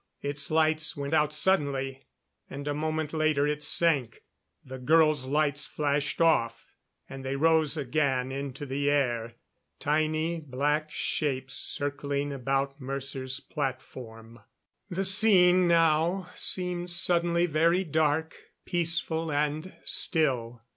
Its lights went out suddenly and a moment later it sank. The girls' lights flashed off, and they rose again into the air tiny black shapes circling about Mercer's platform. The scene now seemed suddenly very dark, peaceful and still.